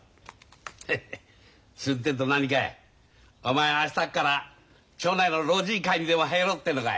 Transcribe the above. ヘヘッするってえと何かいお前は明日っから町内の老人会にでも入ろうってのかい。